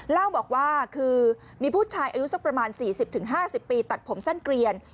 เล่าบอกว่าคือมีผู้ชายอายุสักประมาณ๔๐๕๐ปีตัดผมสั้นเกลียน